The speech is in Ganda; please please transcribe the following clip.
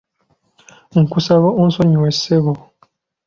Nkusaba onsonyiwe ssebo.